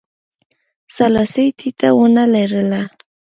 سلاسي ټیټه ونه لرله.